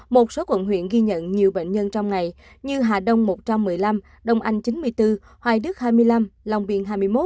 một số quận huyện ghi nhận nhiều bệnh nhân trong ngày như hà đông một trăm một mươi năm đông anh chín mươi bốn hoài đức hai mươi năm long biên hai mươi một